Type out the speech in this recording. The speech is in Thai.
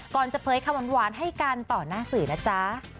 จะเผยคำหวานให้กันต่อหน้าสื่อนะจ๊ะ